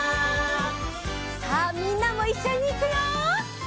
さあみんなもいっしょにいくよ！